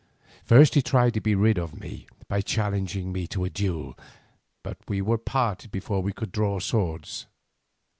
First he tried to be rid of me by challenging me to a duel, but we were parted before we could draw swords.